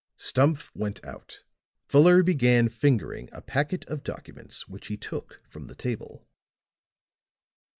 Stumph went out. Fuller began fingering a packet of documents which he took from the table.